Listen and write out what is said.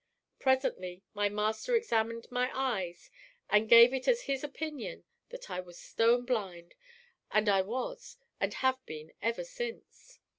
"Presently my master examined my eyes and gave it as his opinion that I was stone blind, and I was and have been ever since.